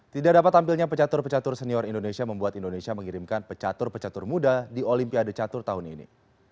tidak dapat tampilnya pecatur pecatur senior indonesia membuat indonesia mengirimkan pecatur pecatur muda di olimpiade catur tahun ini